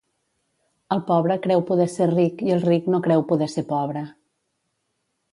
El pobre creu poder ser ric i el ric no creu poder ser pobre.